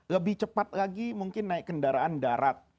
lebih cepat lagi mungkin naik kendaraan darat